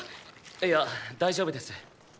いや大丈夫です。